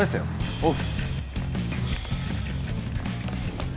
おう。